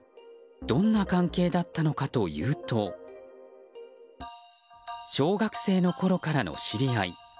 どんな関係だったのかというと小学生のころからの知り合い。